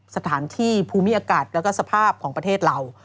สถานที่ภูมิอากาศแล้วก็สภาพของประเทศเรา